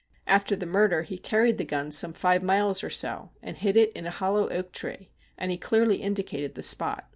After the murder, he carried the gun some five miles or so, and hid it in a hollow oak tree, and he clearly indicated the spot.